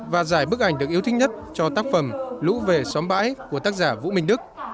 và giải bức ảnh được yêu thích nhất cho tác phẩm lũ về xóm bãi của tác giả vũ minh đức